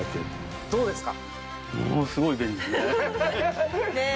どうですか？